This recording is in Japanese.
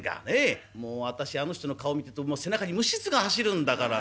「もう私あの人の顔見てるともう背中に虫ずが走るんだから。